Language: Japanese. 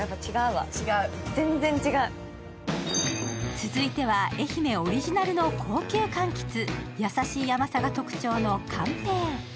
続いては愛媛オリジナルの高級かんきつ優しい甘さが特徴の甘平。